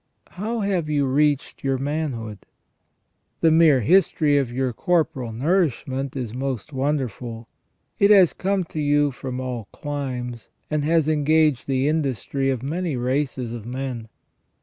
How have you reached your manhood ? The mere history of your corporal nourishment is most wonderful. It has come to you from all climes, and has engaged the industry of many races of men.